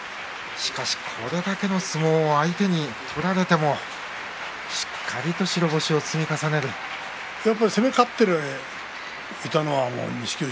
しかし、これだけの相撲を相手に取られてもしっかりと白星を積み重ねていく貴景勝。